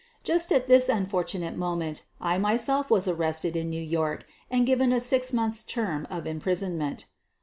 Just at this unfortunate moment I was myself arrested in New York and given a six months' term of imprisonment.